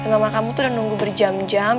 mama kamu tuh udah nunggu berjam jam